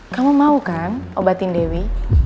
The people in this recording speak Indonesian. kamu mau kan obatin dewi